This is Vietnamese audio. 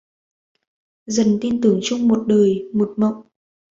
Dầu tin tưởng chung một đời, một mộng